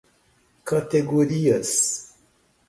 categorias